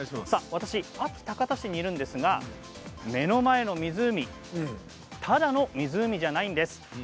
私は安芸高田市にいるんですが目の前の湖ただの湖じゃないんです。